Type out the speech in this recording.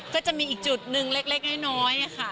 ก็จะมีอีกจุดหนึ่งเล็กน้อยค่ะ